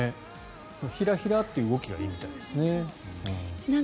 ひらひらという動きがいいみたいですね。